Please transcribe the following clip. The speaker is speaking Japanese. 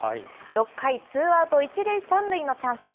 ６回、ツーアウト１塁３塁のチャンス。